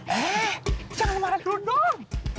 eh jangan marah dulu dong